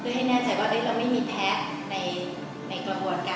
คือให้แน่ใจว่าเราไม่มีแพ้ในกระบวนการ